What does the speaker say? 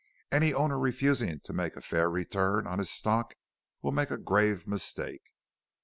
Any owner refusing to make a fair return on his stock will make a grave mistake.